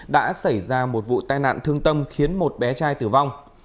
đã xảy ra một vụ tai nạn thương tâm khiến một bé trai tử vong